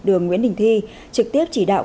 đường nguyễn đình thi trực tiếp chỉ đạo